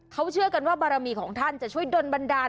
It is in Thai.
เขาเชื่อกันว่าบารมีของท่านจะช่วยดนบันดาล